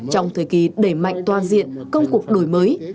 trong thời kỳ đẩy mạnh toàn diện công cuộc đổi mới